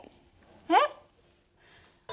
えっ？